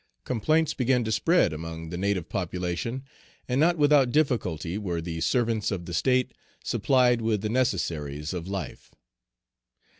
Complaints began to spread among the native population, and not without difficulty were the servants of the State supplied with the necessaries of life.